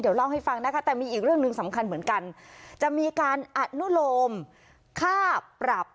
เดี๋ยวเล่าให้ฟังนะคะแต่มีอีกเรื่องหนึ่งสำคัญเหมือนกันจะมีการอนุโลมค่าปรับ